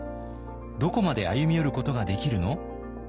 「どこまで歩み寄ることができるの？」。